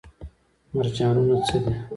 مرجانونه څه دي؟